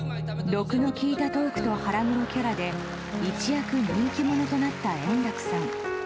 毒の利いたトークと腹黒キャラで一躍人気者となった円楽さん。